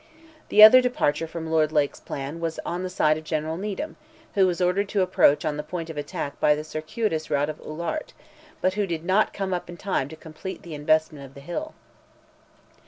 The other departure from Lord Lake's plan was on the side of General Needham, who was ordered to approach the point of attack by the circuitous route of Oulart, but who did not come up in time to complete the investment of the hill.